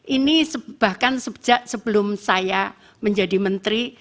ini bahkan sejak sebelum saya menjadi menteri